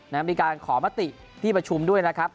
มีการขอมติที่ประชุมด้วยนะครับ